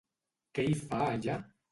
Què hi fa allà?